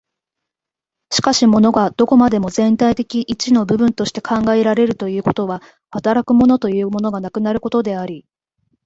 しかし物がどこまでも全体的一の部分として考えられるということは、働く物というものがなくなることであり、